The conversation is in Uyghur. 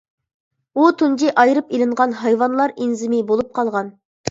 بۇ تۇنجى ئايرىپ ئېلىنغان ھايۋانلار ئېنزىمى بولۇپ قالغان.